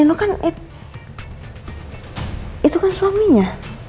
mas nino kan itu kan suaminya